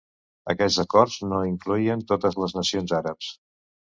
Aquests acords no incloïen totes les nacions àrabs.